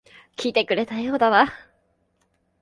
来てくれたようだな。